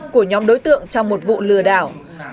của nhóm đối tượng trong một vụ lừa đảo